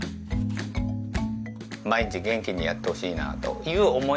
毎日元気にやってほしいなという思いですね。